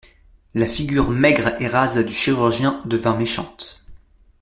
La figure maigre et rase du chirurgien devint méchante.